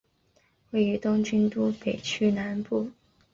位于东京都北区南部。